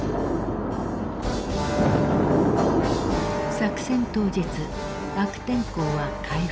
作戦当日悪天候は回復。